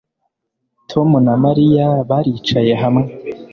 Tom na Mariya baricaye hamwe